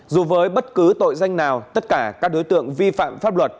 dù với bất cứ tội danh nào tất cả các đối tượng vi phạm pháp luật